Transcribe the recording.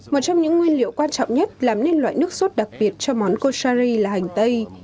một trong những nguyên liệu quan trọng nhất làm nên loại nước sốt đặc biệt cho món khoshari là hành tây